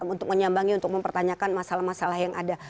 untuk menyambangi untuk mempertanyakan masalah masalah yang ada